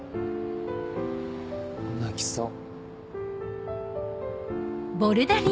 泣きそう。